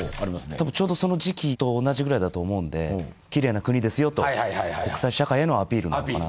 多分ちょうどその時期と同じぐらいだと思うんでキレイな国ですよとはいはいはい国際社会へのアピールなのかな